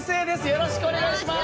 よろしくお願いします。